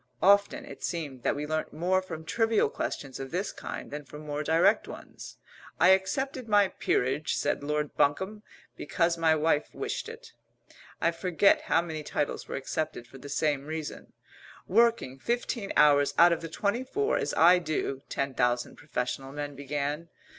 Often it seemed that we learnt more from trivial questions of this kind than from more direct ones. "I accepted my peerage," said Lord Bunkum, "because my wife wished it." I forget how many titles were accepted for the same reason. "Working fifteen hours out of the twenty four, as I do " ten thousand professional men began.